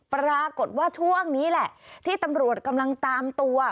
ปรากฏว่าช่วงนี้แหละที่ตำรวจกำลังตามตัว